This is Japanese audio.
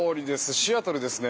シアトルですね